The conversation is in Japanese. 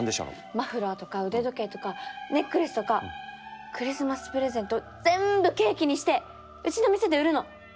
マフラーとか腕時計とかネックレスとかクリスマスプレゼント全部ケーキにしてうちの店で売るの！